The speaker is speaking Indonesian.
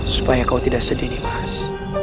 supaya kau tidak sedih dimas